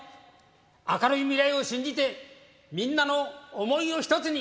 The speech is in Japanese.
明るい未来を信じて、みんなの想いを一つに。